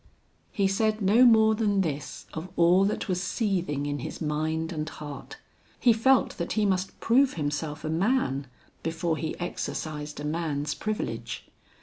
He said no more than this of all that was seething in his mind and heart. He felt that he must prove himself a man, before he exercised a man's privilege.